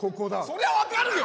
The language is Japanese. そりゃ分かるよ！